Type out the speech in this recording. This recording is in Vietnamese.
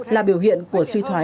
là biểu hiện của suy thoái vật